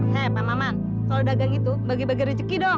hei pak maman kalau dagang itu bagi bagi rezeki dong